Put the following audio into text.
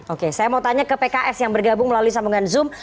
oke saya mau tanya ke pks yang bergabung melalui sambungan zoom